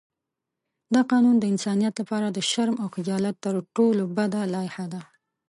دا قانون د انسانیت لپاره د شرم او خجالت تر ټولو بده لایحه ده.